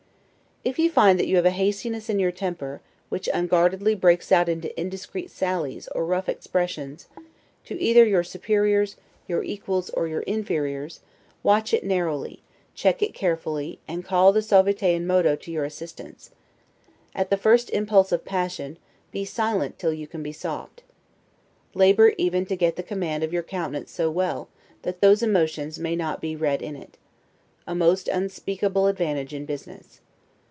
If you find that you have a hastiness in your temper, which unguardedly breaks out into indiscreet sallies, or rough expressions, to either your superiors, your equals, or your inferiors, watch it narrowly, check it carefully, and call the 'suaviter in modo' to your assistance: at the first impulse of passion, be silent till you can be soft. Labor even to get the command of your countenance so well, that those emotions may not be read in it; a most unspeakable advantage in business!